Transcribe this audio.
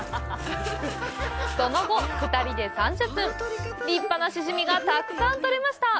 その後、２人で３０分立派なシジミがたくさん取れました。